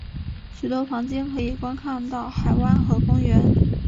许多房间可以观看到海湾和公园。